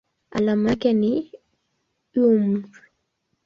Alama yake ni µm.